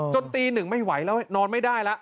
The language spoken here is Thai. ตีหนึ่งไม่ไหวแล้วนอนไม่ได้แล้ว